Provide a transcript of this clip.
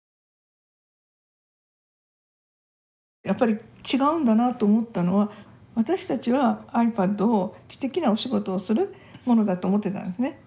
やっぱり違うんだなと思ったのは私たちはｉＰａｄを知的なお仕事をするものだと思ってたんですね。